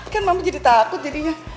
kan mama jadi takut jadinya